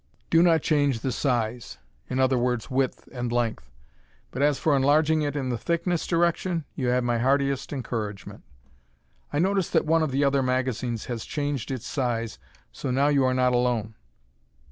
Do not change the size (i. e. width and length); but as for enlarging it in the thickness direction, you have my heartiest encouragement. I notice that one of the other magazines has changed its size, so now you are not alone.